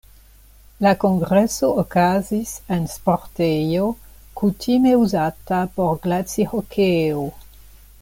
La kongreso okazis en sportejo, kutime uzata por glacihokeo.